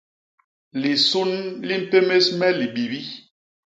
Lisun li mpémés me libibi.